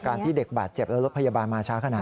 ที่เด็กบาดเจ็บแล้วรถพยาบาลมาช้าขนาดนี้